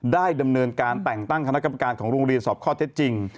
ได้ดำเนินการแต่งตั้งคณะกรรมการของโรงเรียนสอบข้อเท็จจริง